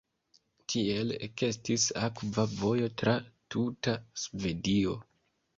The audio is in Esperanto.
Tiel ekestis akva vojo tra tuta Svedio.